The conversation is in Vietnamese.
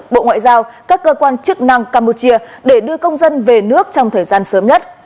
bộ ngoại giao các cơ quan chức năng campuchia để đưa công dân về nước trong thời gian sớm nhất